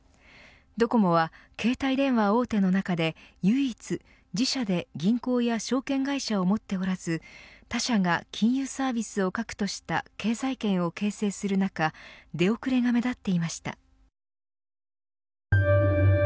ドコモは携帯電話大手の中で唯一自社で銀行や証券会社を持っておらず他社が金融サービスを核とした経済圏を形成する中出遅れが目立っていました。